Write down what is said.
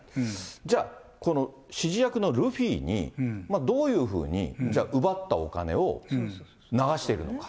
じゃあ、この指示役のルフィに、どういうふうにじゃあ、奪ったお金を流しているのか。